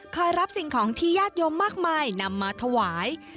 รับสิ่งของที่ญาติโยมมากมายนำมาถวาย